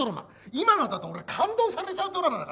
今のだと俺勘当されちゃうドラマだからな。